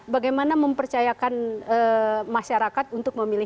bagaimana mempercayakan masyarakat untuk memilih